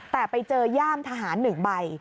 แต่ไปเจอย่ามทหาร๑ใบ